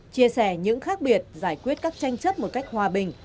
chia sẻ những khác biệt giải quyết các tranh chấp một cách hòa bình